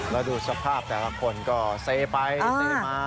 แล้วดูสภาพแต่ละคนก็เซไปเซมา